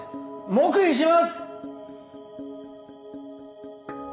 黙秘します！